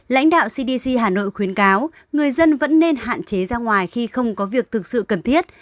lãnh đạo cdc hà nội khuyến cáo người dân vẫn nên hạn chế ra ngoài khi không có việc thực sự cần thiết